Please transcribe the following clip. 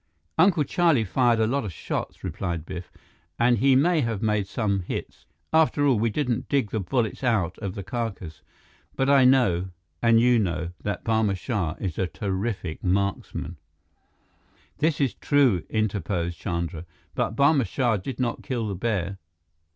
"Uncle Charlie fired a lot of shots," replied Biff, "And he may have made some hits. After all, we didn't dig the bullets out of the carcass. But I know and you know that Barma Shah is a terrific marksman " "This is true," interposed Chandra. "But Barma Shah did not kill the bear.